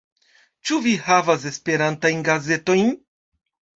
Ĉu vi havas esperantajn gazetojn?